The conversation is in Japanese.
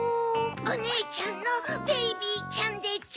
おねえちゃんのベイビーちゃんでちゅ。